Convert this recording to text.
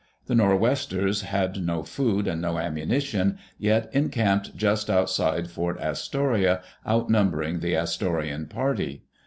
The Nor*Westers had no food and no ammunition, yet encamped just outside Fort Astoria, outnumbering the Astorian party.